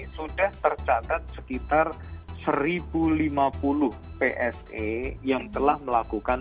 sudah tercatat sekitar satu lima puluh pse yang telah melakukan